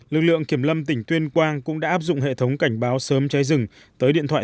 lực lượng kiểm lâm tỉnh tuyên quang cũng đã áp dụng hệ thống cảnh báo sớm cháy rừng tới điện thoại